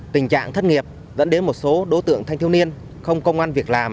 tình trạng thất nghiệp dẫn đến một số đối tượng thanh thiếu niên không công an việc làm